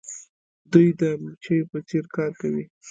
دوی د مچیو په څیر کار کوي.